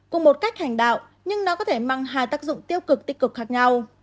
cùng một cách hành đạo nhưng nó có thể mang hai tác dụng tiêu cực tích cực khác nhau